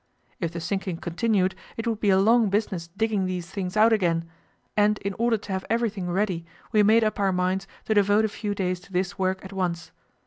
If the sinking continued, it would be a long business digging these things out again, and in order to have everything ready we made up our minds to devote a few days to this work at once.